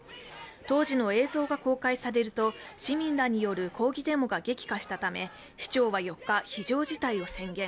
当時の映像が公開されると市民らによる抗議デモが激化したため市長は４日、非常事態を宣言。